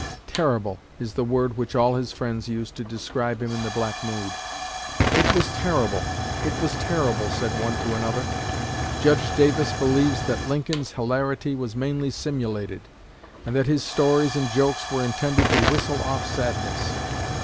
"'Terrible' is the word which all his friends used to describe him in the black mood. 'It was terrible! It was terrible!' said one to another." Judge Davis believes that Lincoln's hilarity was mainly simulated, and that "his stories and jokes were intended to whistle off sadness."